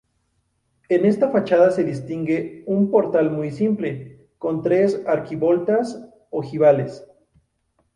En esta fachada se distingue un portal muy simple, con tres arquivoltas ojivales.